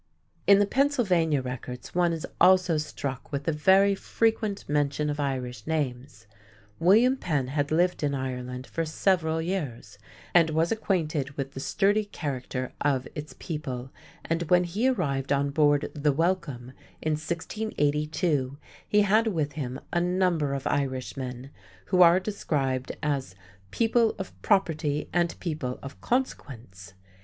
In the Pennsylvania records one is also struck with the very frequent mention of Irish names. William Penn had lived in Ireland for several years and was acquainted with the sturdy character of its people, and when he arrived on board The Welcome in 1682 he had with him a number of Irishmen, who are described as "people of property and people of consequence."